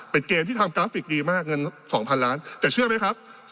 เป็นเกมที่ทำกราฟิกดีมากเงิน๒๐๐๐ล้านแต่เชื่อไหมครับ